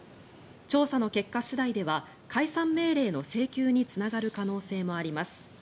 調査の結果次第では解散命令の請求につながる可能性もあります。